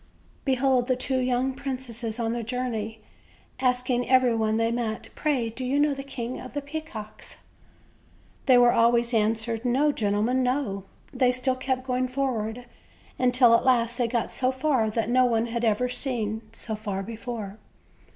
Behold the two young princes on their journey, asking every one they met: "Pray, do you know the King of the Peacocks?" They were always answered: "No, gentlemen, no!" They still kept going forward, till at last they got so far that no one had ever been so far before.